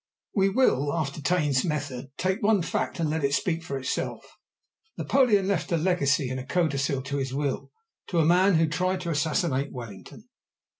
We will, after Taine's method, take one fact and let it speak for itself. Napoleon left a legacy in a codicil to his will to a man who tried to assassinate Wellington.